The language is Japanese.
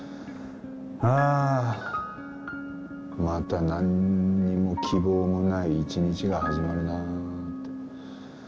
ああまたなんにも希望もない一日が始まるなあって。